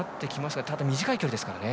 ただ、短い距離ですからね。